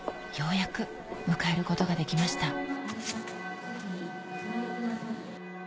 ようやく迎えることができました